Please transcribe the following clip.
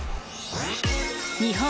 日本